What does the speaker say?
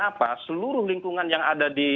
apa seluruh lingkungan yang ada di